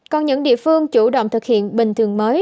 còn những địa phương chủ động thực hiện bình thường mới